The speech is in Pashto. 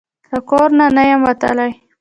له کور نه یمه وتلې